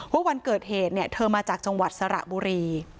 วันเกิดเหตุเธอมาจากจังหวัดสระบุรี